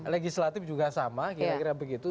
legislatif juga sama kira kira begitu